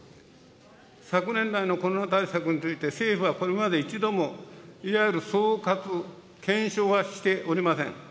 昨年来のコロナ対策について、政府はこれまで一度も、いわゆる総括、検証はしておりません。